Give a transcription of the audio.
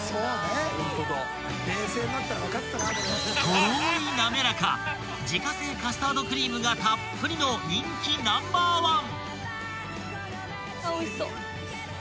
［とろり滑らか自家製カスタードクリームがたっぷりの人気ナンバーワン］